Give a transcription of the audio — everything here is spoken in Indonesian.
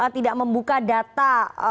tidak membuka data